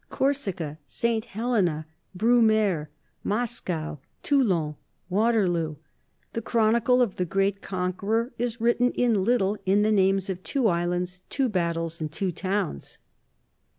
"Corsica," "St. Helena," "Brumaire," "Moscow," "Toulon," "Waterloo." The chronicle of the great conqueror is written in little in the names of two islands, two battles, and two towns.